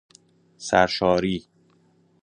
سر شاری